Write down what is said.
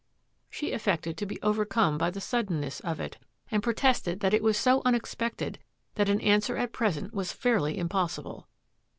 She affected to be overcome by the suddenness of it, and protested that it was so unexpected that an answer at present was fairly impossible.